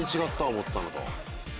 思ってたのと。